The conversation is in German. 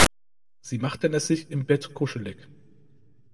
Sie machten es sich im Bett kuschelig.